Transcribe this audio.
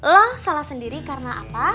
lah salah sendiri karena apa